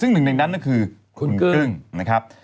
ซึ่งหนึ่งในนั้นก็คือคุณกึ้งนะครับ